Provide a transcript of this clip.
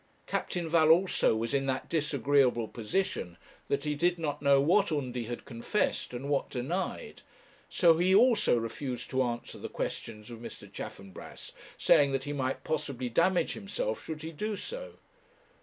Captain Val, also, was in that disagreeable position, that he did not know what Undy had confessed, and what denied. So he, also, refused to answer the questions of Mr. Chaffanbrass, saying that he might possibly damage himself should he do so.